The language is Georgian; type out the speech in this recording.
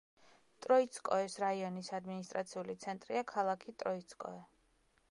ტროიცკოეს რაიონის ადმინისტრაციული ცენტრია ქალაქი ტროიცკოე.